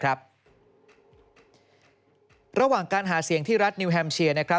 ระหว่างการหาเสียงที่รัฐนิวแฮมเชียร์นะครับ